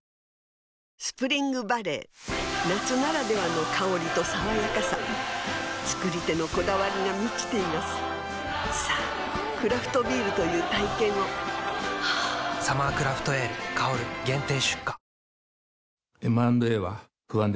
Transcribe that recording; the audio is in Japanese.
スプリングバレー夏ならではの香りと爽やかさ造り手のこだわりが満ちていますさぁクラフトビールという体験を「サマークラフトエール香」限定出荷